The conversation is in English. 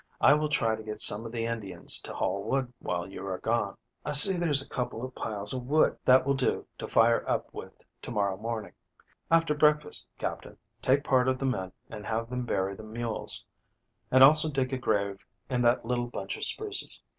I will try to get some of the Indians to haul wood while you are gone. I see there's a couple of piles of wood left near the machine that will do to fire up with to morrow morning. After breakfast, Captain, take part of the men and have them bury the mules, and also dig a grave in that little bunch of spruces.